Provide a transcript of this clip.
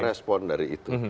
respon dari itu